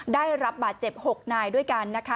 ได้รับบาดเจ็บ๖นายด้วยกันนะคะ